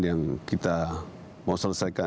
yang kita mau selesaikan